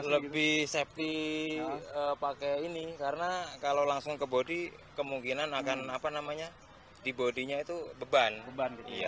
lebih safety pakai ini karena kalau langsung ke bodi kemungkinan akan apa namanya di bodinya itu beban